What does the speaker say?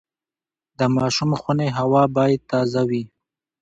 د ماشوم خونې هوا باید تازه وي۔